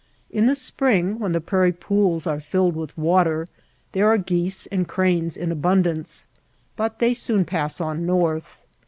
In the spring, when the prairie pools are filled with water, there are geese and cranes in abun dance ; but they soon pass on north.